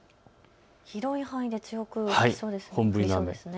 広い範囲で強くなりそうですね。